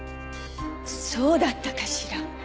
そうだったかしら？